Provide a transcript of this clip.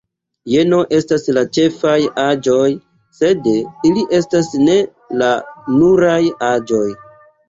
Jeno estas la ĉefaj aĵoj, sed ili estas ne la nuraj aĵoj.